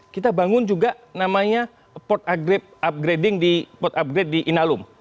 kita bangun juga namanya port upgrade di inalum